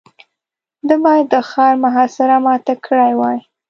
ده بايد د ښار محاصره ماته کړې وای.